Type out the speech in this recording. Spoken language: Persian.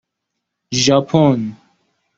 ژاپن